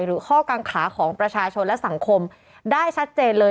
หรือข้อกังขาของประชาชนและสังคมได้ชัดเจนเลย